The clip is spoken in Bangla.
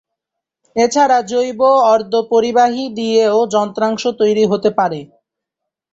এছাড়া জৈব অর্ধপরিবাহী দিয়েও যন্ত্রাংশ তৈরি হতে পারে।